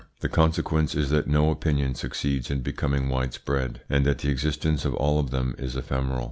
The consequence is that no opinion succeeds in becoming widespread, and that the existence of all of them is ephemeral.